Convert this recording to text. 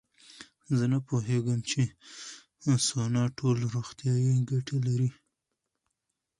زه نه پوهېږم چې سونا ټول روغتیایي ګټې لري.